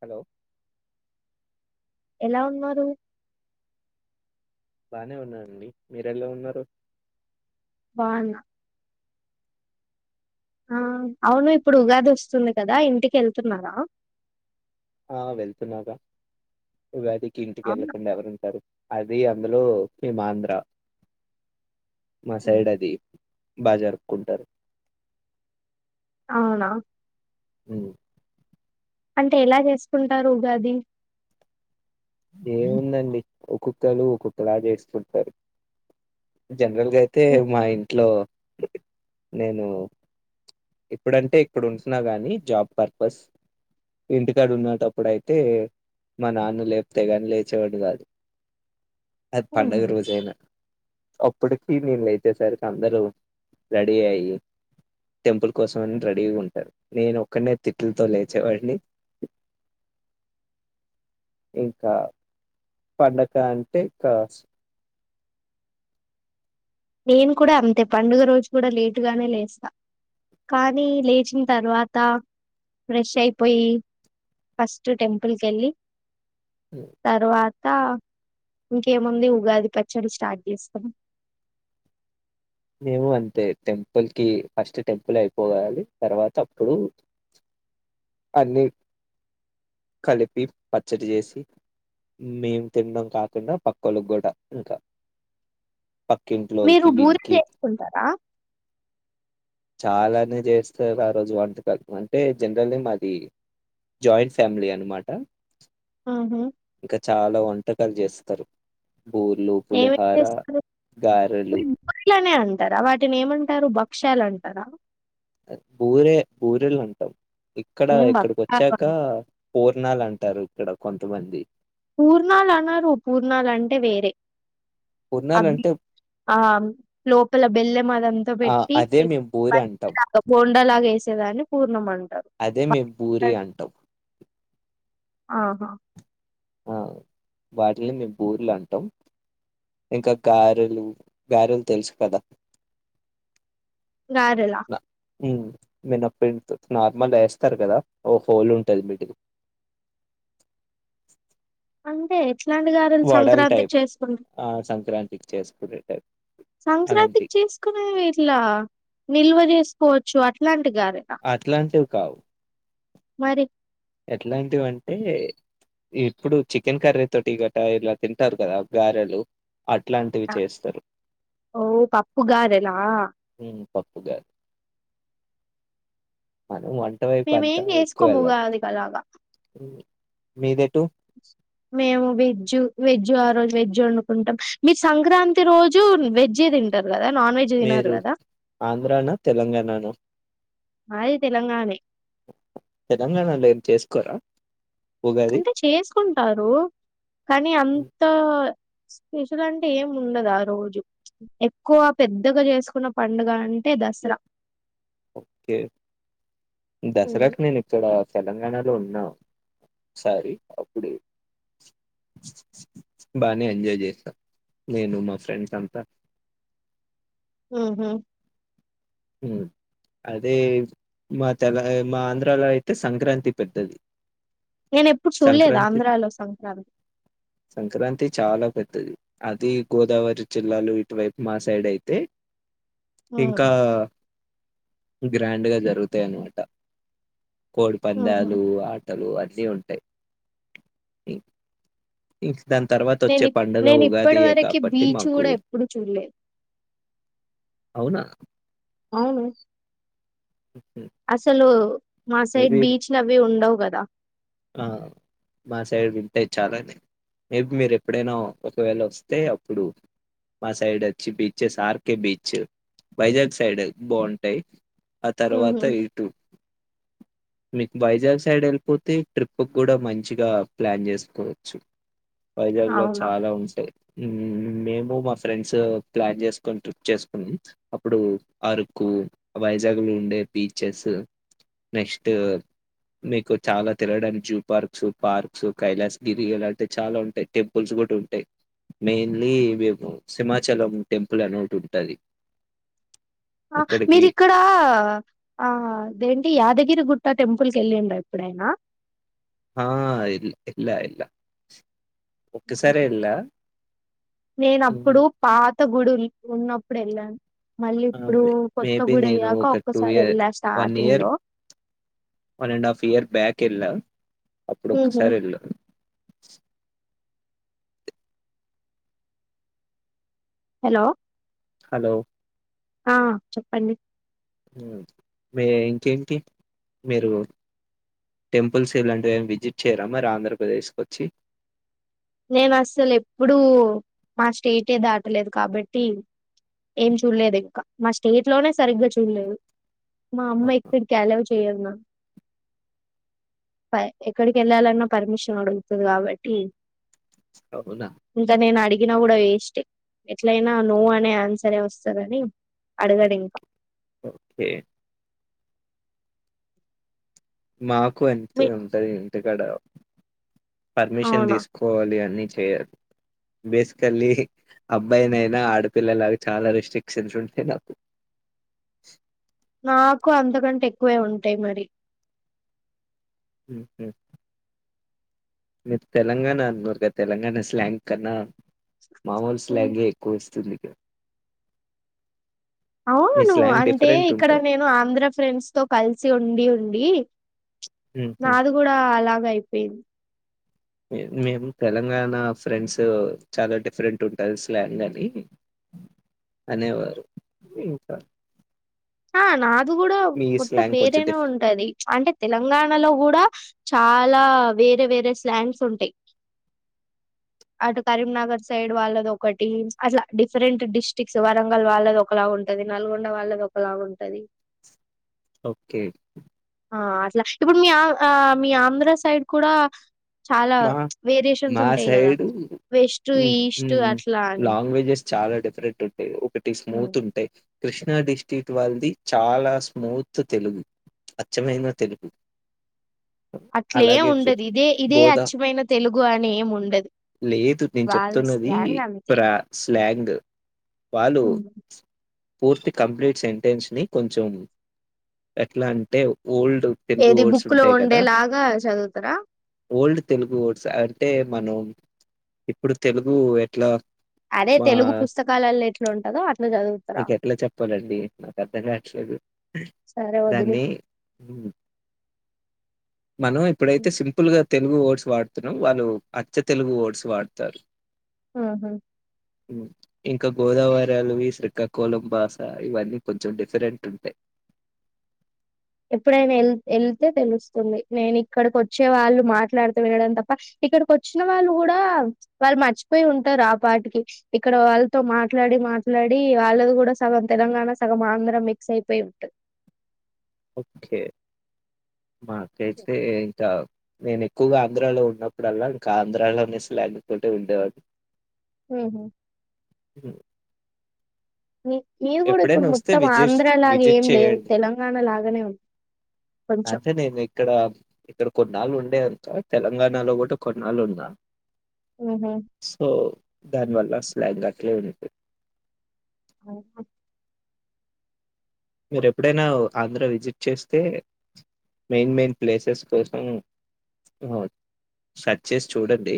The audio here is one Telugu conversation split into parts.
హలో ఎలా ఉన్నారు బానే ఉన్నా అండి మీరెలా ఉన్నారు బాగున్న ఆ అవును ఇప్పుడు ఉగాది వస్తుంది కదా ఇంటికి వెళ్తున్నారా ఆ వెళ్తున్నాగా ఉగాదికి ఇంటికి అవునా వెళ్ళకుండా ఎవరు ఉంటారు అది అందులో మేము ఆంధ్రా ఉమ్. మసైయిడ్ అది బాగా జరుపుకుంటారు అవునా ఔను అంటే ఎలా చేసుకుంటారు ఉగాది ఏముందండి ఒక్కొక్కళ్ళు ఒక్కొక్కలా చేస్తుంటారు జనరల్ గా అయితే ఉమ్, మా ఇంట్లో నేను ఇప్పుడంటే ఇప్పుడు ఉంటున్నా గాని జాబ్ పర్పస్ ఇంటికాడ ఉన్నేటప్పుడు అయితే మా నాన్న లేపితే కాని లేచే వాన్ని కాదు అది పండుగ ఉమ్. రోజు అయిన అప్పటికి నేను లేచే సరికి అందరూ రెడీ అయ్యి టెంపుల్ కోసం అని రెడీ ఉంటారు నేను ఒక్కడినే తిట్లతో లేచేవాడిని ఇంకా పండక [inaudible] నేను కూడా అంతే పండుగ రోజు కూడా లేటుగానే లేస్తా, కానీ లేచిన తర్వాత ఫ్రెష్ అయిపోయి ఫస్ట్ టెంపుల్ కి వెళ్ళి తర్వాత్ ఇంకేముంది ఉగాది పచ్చడి స్టార్ట్ చేస్తాం మేము అంతే టెంపుల్ కి ఫస్ట్ టెంపుల్ అయిపోవాలి తర్వాత అప్పుడు అన్ని కలిపి పచ్చడి చేసి మేము తినడం కాకుండా పక్కల్ల కి కూడా ఇంకా కం మీరు క బిల్ బూరి [unintelligible] చేసుకుంటారా చాలానే చేస్తారు ఆ రోజు వంటకాలు అంటే జనరల్ గా మాది జాయింట్ ఫ్యామిలీ అనమాట ఓహొ ఇంకా చాలా వంటకాలు చేస్తారు బూర్లు, పులిహోర, గారెలు బూర్లనే అంటారా వాటిని ఏమంటారు భక్ష్యాల అంటారా బూరే బూరెలు అంటాయ్ ఇక్కడ మేం ఇక్కడికి భక్ష్యాలు వచ్చాక అం పూర్ణాల అంటారు ఇక్కడ కొంతమంది పూర్ణాలు అనారు పూర్ణాలంటే వేరే పూర్ణాలు అవి అంటే ఆ లోపల బెల్లెం అదంతా ఆ బెట్టి అదే మేము బూరి అంటాం అలాగే వేసే వాన్ని పూర్ణాం బాగ అదే మేం బూరి అంటాం ఆహా ఆ వాటిని మేము బూర్లు అంటాం ఇంకా గారెలు గారెలు తెలుసు కదా గారెల మ్మ్ మినప్పిండితోటి నార్మల్ గేస్తారు కదా ఓ హోల్ ఉంటది బైటకి అంతే ఇట్లాంటి గారెలు సంక్రాంతికి చేసుకుం ఇక్ చేసుకునే టైం సంక్రాంతి చేసుకునేవి ఇట్లా నిల్వ చేసు పోచ్చు అట్లాం అట్లాంటివి కావు మరి ఎట్లాంటివి అంటే ఇప్పుడు చికెన్ కర్రీ తోటి గట ఇలా తింటారు కదా గారెలు అట్లాంటివి చేస్తారు. ఓ పప్పుగారెలా పప్పుగారె అదే వం మేమేం చేసుకోముగాదికి అలాగా మీదేటు మేము వెజ్జ్ వెజ్జ్ ఆ రోజు వెజ్జ్ వండుకుంటాం మీరు సంక్రాంతి రోజు వెజ్జే తింటార మీరు ఆంధ్రానా తెలంగాణన మాది తెలంగాణే తెలంగాణలో ఏం చేసుకోరా ఉగాది? అంటే చేసుకుంటారు కానీ హ్మ్. అంత స్పెషల్ అంటే ఏం ఉండదు ఆ రోజు ఎక్కువ పెద్దగా చేసుకున్న పండుగ అంటే దసరా ఓకే దసరా కి నేనిక్కడ తెలంగాణలో ఉన్నామ్ ఓసారీ అప్పుడే బానే ఎంజాయ్ చేశా నేను మా ఫ్రెండ్స్ అంతా హు హు హ్మ్ అదే మా తెల మా ఆంధ్రాలో అయితే సంక్రాంతి పెద్దది నేను ఎప్పుడు చూడలేదు సంక్రాంతి ఆంధ్రాలో సంక్రాంతి సంక్రాంతి చాలా పెద్దది అది గోదావరి జిల్లాలు ఇటువైపు మా సైడ్ అయితే ఉమ్. ఇంకా గ్రాండ్గా జరుగుతాయన్నమాట కోడి ఉహు పందాలు ఆటలు అ న్ని ఉంటాయి దాని తర్వాత వచ్చే నేను పండుగ నేను ఇప్పటి ఉగాదియే వరకు కాబట్టి బీచ్ మాకు కూడా ఎప్పుడు చూడలేద్ అవునా అవును అసలు మాసైడ్ మేబి బీచ్ లవి ఉండవు గద్ తా ఆ మా సైడ్ వింటాయి చాలానేే రేపు మీరు ఎప్పుడైనా ఒకవేళ వస్తే అప్పుడు మా సైడ్ ఓచ్చి beaches RK beach Vizag side బాంటాయి ఆ తర్వాత ఉహు. ఇటు మీకు వైజాగ్ సైడ్ వెళ్ళిపోతే ట్రిప్ కి కూడా మంచిగా ప్లాన్ చేసుకోవచ్చు వైజాగ్ లో అవునా చాలా ఉంచాయి మేము మా ఫ్రెండ్స్ ప్లాన్ చేసుకొని ట్రిప్ చేసుకున్నాం అప్పుడు అరుకు వైజాగ్ లో ఉండే బీచెస్ నెక్స్ట్ మీకు చాలా తిరడానికి జూ పార్క్స్ పార్క్స్ కైలాస్గిరి అలాంటివి చాలా ఉంటాయి టెంపుల్స్ కూడా ఉంటాయి మెయిన్లీ మేము సింమాచలం టెంపుల్ అనే ఒకటి ఉంటుంది ఆ మీరిక్కడ ఆదేంటి యాదగిరి గుట్ట టెంపుల్ కి ఎల్లుండా ఎప్పుడైనా ఆ వెళ్ళా వెళ్ళ నేన హ్మ్ అప్పుడు పాత అంత గుడి ఉన్నప్పుడు వెళ్ళను మేబి నేను ఒక టూ ఒక్కసారి ఇయర్ వెళ్ళా వన్ స్టార్టింగ్ ఇయర్ లో one and half year back వెళ్ళ అప్పుడు ఒక్కసారి వెళ్ళ హలో హలో ఆ చెప్పండి మీ ఇంకేంటి మీరు టెంపుల్స్ ఇలాంటివి ఏమి విజిట్ చేయరా మరి ఆంధ్రప్రదేశ్కు వచ్చి నేను అసలు ఎప్పుడూ మా స్టేటే దాటలేదు కాబట్టి ఏం చూడలేదు ఇంకా మా స్టేట్ లోనే సరిగ్గా చూడలేదు మా అమ్మా ఆహా! ఎక్కడికి ఎలా న్నా ఎక్కడికి వెళ్ళాలన్నా పర్మిషన్ అడుగుతుంది కాబట్టి అవునా? ఇకా నే నా అడి తిగినా కూడా వేస్ట్ ఎట్లయినా నో అనే ఆన్సరే వస్తందని అడగడు ఇంకా ఓకే మా కో అంతే మీ ఉంటది ఇంటికాడ పర్మిషన్ అవునా తీసుకోవాలి అని చేయరు బేసికల్లీ అబ్బాయినయినా ఆడపిల్లలాగా చాలా రెస్ట్రిక్షన్స్ ఉంటాయి నాకు నాకు అంతకంటే ఎక్కువే ఉంటాయి మరి [inaudible] మీరు తెలంగాణ అన్నగా తెలంగాణ స్లాంక్ కన్నా మామూలుస్ ఉమ్, లాంగే ఎక్కువ ఇస్తుంది చ అవును అంటే ఇక్కడ ఉంటది. నేను ఆంధ్ర ఫ్రెండ్స్ తో కలిసి ఉండి ఉండి హుహు. నాది కూడా అలాగయి పోయింది మేము తెలంగాణ ఫ్రెండ్స్ చాలా డిఫరెంట్ ఉంటుంది స్లాన్ అని అనేవారు ఇంకా ఆ నాది కూడా మీ మొత్తం స్లాంగ్ కొంచెం వేరేనే డిఫ్ ఉంటది అంటే తెలంగాణలో కూడా చాలా అలా వేరే వేరే స్లాంగ్ ఉంటాయి అటు కరీంనగర్ సైడ్ వాళ్ళది ఒకటి అట్లా డిఫరెంట్ డిస్టి్రిక్ట్స్ వరంగల్ వాళ్ళది ఒకలా ఉంటది నల్గొండ వాళ్ళది ఒకలా అలాగుంటది ఓకే అట్లా ఇప్పుడు మీ ఆ మీ ఆంధ్ర సైడ్ కూడా చాలా మా వేరియేషన్స్ మా ఉంటాయి కదా side west hmm east hmm అట్లా అని లాంగ్వేజెస్ చాలా డిఫరెంట్ ఒకటి హ్మ్. స్మూత్ ఉంటాయ్ కృష్ణా డిస్ట్రిక్ వాళ్ళది చాలా స్మూత్ తెలుగు అచ్చమైన తెలుగు అట్లే అలాగే గో ఉండదు ఇదే ఇదే గోదా అచ్చమైన తెలుగు అని ఏం ఉండదు లేదు నేను వాళ్ళ చెప్తున్నది స్లాంగ్ అంతే ఫ్రా స్లాంగ్ వాళ్ళు హ్మ్. పూర్తి కంప్లీట్ సెంటెన్స్ని కొంచెం ఎట్లా అంటే ఓల్డ్ తెలుగు ఏది వర్డ్స్ బుక్ లో ఉంటాయి కదా ఉండేలాగా చదువుతారా ఓల్డ్ తెలుగు వర్డ్స్ అంటే మనం ఇప్పుడు తెలుగు ఎట్లా అదే మా తెలుగు పుస్తకాలల్లో ఎట్లుంటందో అట్లా జదువు మీకెట్ల చెప్పాలండి నాకర్థం కాట్లేదు సరే వదిలి దాన్ని మనం ఇప్పుడైతే సింపుల్ గా తెలుగు ఓల్డ్ స్ వాడుతున్నా వాళ్ళు అచ్చ తెలుగు వర్డ్స్ వాడతారు ఆహా ఇంకా గోదావరల్లవి శ్రీకా కోలం భాష ఇవన్నీ కొంచెం డిఫరెంట్ ఉంటాయి ఎప్పుడైనా వెల్ వెళ్తే తెలుస్తుంది నేను ఇక్కడికి వచ్చే వాళ్ళు మాట్లాడితే వెళ్ళడం తప్ప ఇక్కడికి వచ్చిన వాళ్ళు కూడా వాళ్ళు మర్చిపోయి ఉంటారు ఆ పాటికి ఇక్కడ వాళ్ళతో మాట్లాడి మాట్లాడి వాళ్ళది కూడా సగం తెలంగాణ సగం ఆంధ్ర మిక్స్ అయిపోయి ఉంటంది ే మాకైతే ఇంకా నేను ఎక్కువగా ఆంధ్రాలో ఉన్నప్పుడల్లా ఇంకా ఆంధ్రాలోనే స్లాంగ్ తోటే ఉండేవాడు ఊహు ఉ మీ మీది గూడా ఇప్పుడు వస్తే మొత్తం విజిట్ ఆంధ్ర లాగా విజిట్ ఏం లేదు చేయండి తెలంగాణ లాగానే ఉంది కొంచెం అంటే అదే అంత తెలంగాణలో కూడా కొన్నాళ్ళున్నా ఆహ దాని వల్ల స్లాంగ్ అట్లే ఉండిపోయి మీరు ఎప్పుడైనా ఆంధ్ర విజిట్ చేస్తే మెయిన్ మెయిన్ ప్లేసెస్ కోసం సర్చ్ చేసి చూడండి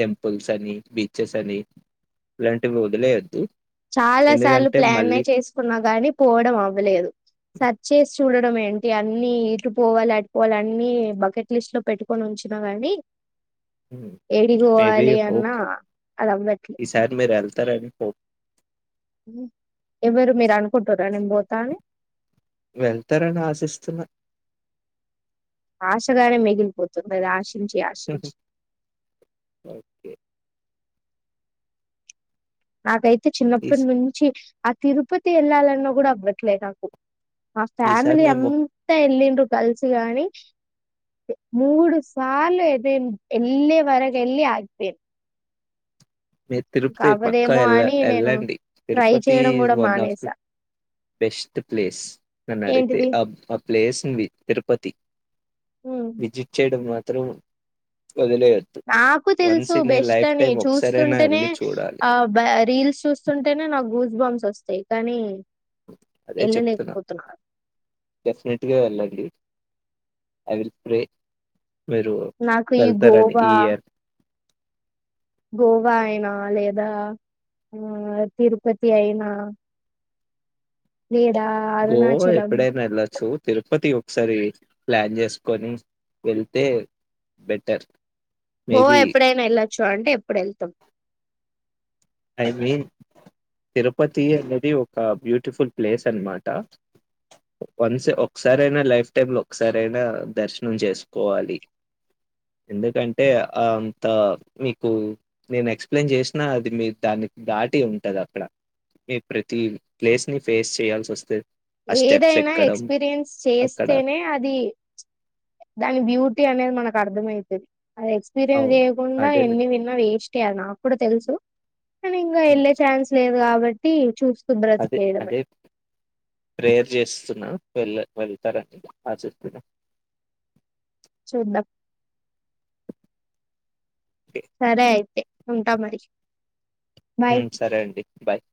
టెంపుల్స్ అని బీచెస్ అని ఇలాంటివి వదిలేయద్దు చాలా సార్లు ప్లానే చేసుకున్నా గాని పోవడం అ వ్వలేదు సర్చ్ చేసి చూ చూడడం ఏంటి అన్ని ఇటు పోవాలి అటుపోవాలి అన్ని బకెట్ లిస్ట్ లో పెట్టుకొని ఉంచిన కాని హ్మ్. మేబీ ఏడిపోవాలి హోప్ అన్నా అది అవ్వట్లే తరేనిపో ఎవరు మీరు అనుకుంటారా నేం పోతా అని వెళ్తారని ఆశిస్తున్న ఆశ గానే మిగిలిపోతుంది నిరాశ్ ఓకే నాకై తే ఈస్ చిన్నప్పుడ్నుంచి ఆ తిరుపతి వెళ్ళాలన్నా కూడా అవ్వట్లేద్ నాకు ఆ ఈసారి ఫ్యామిలీ మేము అంతా ఎల్లిన్రు గల్సుగాని మూడు సార్లు అదేన్ ఎల్లే వరకు ఎల్లి ఆగిపేన్. మీరు తిరుప్తి పక్కా వెళ్ళ అని నేను వెళ్ళండి, ట్రై తిరుపతి చేయడం ఈజ్ కూడా వన్ ఆఫ్ ద మానేసా బెస్ట్ ప్లేస్ నన్ను ఏంటిది అడిగితే అబ్ అప్, ప్లేసుంది తిరుపతి విజిట్ చేయడం మాత్ [unintelligible] నాకు తెలుసు బెస్ట్ లైఫ్ అని టైమ్ చూస్ ఒకసారైనా స్తుంటేనే వెళ్ళి చూడాలి ఆ బై రీల్స్ చూస్తుంటేనే నాకు గూస్ బామ్స్ వస్తాయ్ ఏ కానీ అదే చెప్తున్నా వెళ్ళలేకపోతున్నా డెఫినెట్గా వెళ్ళం డి ఐ విల్ ప్రే మీరు నాకు ఈ వెళ్తారని ఈ గోవా ఇయర్ గోవా అయినా లేదా మ్ తిరుపతి అయినా లేదా గోవా అరుణాచలం ఎప్పుడైనా ఎళ్ళొచ్చు తిరుపతి ఒకసారి ప్లాన్ చేసుకొని వెళ్తే బెటర్ గోవా మేబీ ఎప్పుడైనా ఎళ్ళోచ్చు అంటే ఎప్పుడెళ్తం ఐ మీన్ తిరుపతి అనేది ఒక బ్యూటిఫుల్ ప్లేస్ అన్నమాట. వన్స్ ఒకసారైనా లైఫ్ టైమ్ లో ఒకసారైనా దర్శనం చేసుకోవాలి, ఎందుకంటే అంత మీకు నేను ఎక్స్‌ప్లేయిన్ చేసినా అది మీ దానికి దాటి ఉంటది అక్కడ ఈ ప్రతి ప్లేస్ ని ఫేస్ చేయాల్సి వస్తే ఆ స్టెప్స్ ఏదైనా ఎక్కడం ఎక్స్పీరియన్స్ అక్కడ చేస్తేనే అది దాని బ్యూటీ అనేది మనకు అర్థమయితది అది ఎక్స్పీరియన్స్ అవును చేయకుండా అదే నే- ఎన్ని విన్నా వేస్టే అది నాక్కూడా తెలుసు నే నింగా ఉమ్, వెళ్ళే ఛాన్స్ లేదు కాబ ట్టి చూస్ అదే అదే ప్రేయర్ జేస్తున్నా వెళ్ళ వెళ్తారని ఆశిస్తున్న చూద్దం ఓకే సరే అయితే ఉంటా మరి బాయ్ మ్ సరే అండి బాయ్